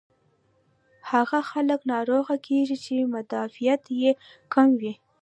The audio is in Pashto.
هاغه خلک ناروغه کيږي چې مدافعت ئې کم وي